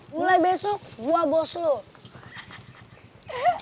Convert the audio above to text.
mulai besok gua bos lu